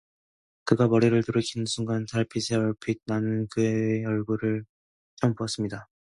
그가 머리를 돌이키는 순간, 달빛에 얼핏 나는 그의 얼굴을 처음으로 보았습니다.